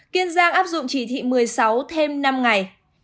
kiên giang áp dụng chỉ thị một mươi sáu thêm năm ngày